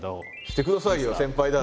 してくださいよ先輩だから。